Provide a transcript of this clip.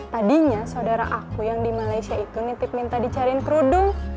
tadinya saudara aku yang di malaysia itu nitip minta dicariin kerudung